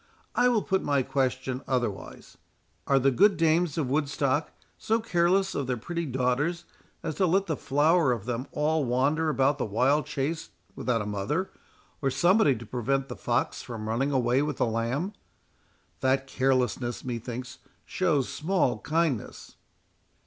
—I will put my question otherwise.—Are the good dames of Woodstock so careless of their pretty daughters as to let the flower of them all wander about the wild chase without a mother, or a somebody to prevent the fox from running away with the lamb?—that carelessness, methinks, shows small kindness."